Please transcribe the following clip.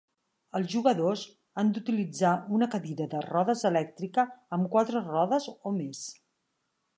Els jugadors han d'utilitzar una cadira de rodes elèctrica amb quatre rodes o més.